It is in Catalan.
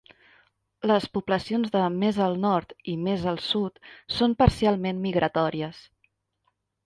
Les poblacions de més al nord i més al sud són parcialment migratòries.